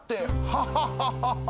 ハハハハハ！